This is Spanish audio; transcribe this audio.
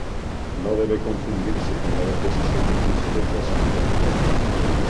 No debe confundirse con la deposición de Cristo o Santo Entierro.